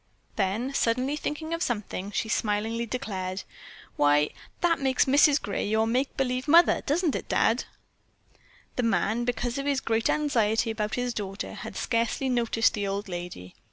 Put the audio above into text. Then suddenly thinking of something, she smilingly declared: "Why, that makes Mrs. Gray your make believe mother, doesn't it, Dad?" The man, because of his great anxiety about his daughter, had scarcely noticed the old lady.